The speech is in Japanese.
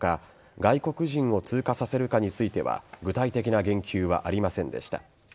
外国人を通過させるかについては具体的な言及はありませんでした。